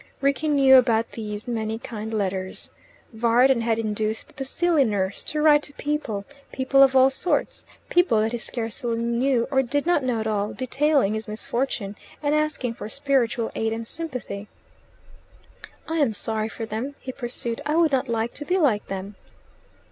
Rickie knew about these "many kind letters." Varden had induced the silly nurse to write to people people of all sorts, people that he scarcely knew or did not know at all detailing his misfortune, and asking for spiritual aid and sympathy. "I am sorry for them," he pursued. "I would not like to be like them."